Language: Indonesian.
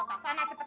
sampai ke sana cepat